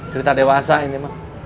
cerita dewasa ini mah